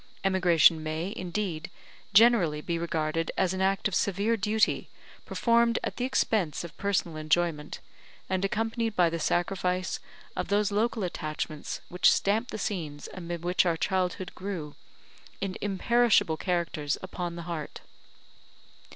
Emigration may, indeed, generally be regarded as an act of severe duty, performed at the expense of personal enjoyment, and accompanied by the sacrifice of those local attachments which stamp the scenes amid which our childhood grew, in imperishable characters, upon the heart.